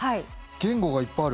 言語がいっぱいある。